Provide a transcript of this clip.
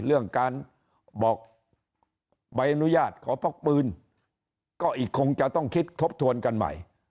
เรื่องการบอกใบอนุญาตขอพกปืนก็อีกคงจะต้องคิดทบทวนกันใหม่